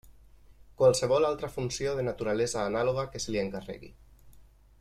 Qualsevol altra funció de naturalesa anàloga que se li encarregui.